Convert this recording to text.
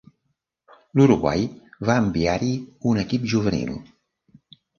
L'Uruguai va enviar-hi un equip juvenil.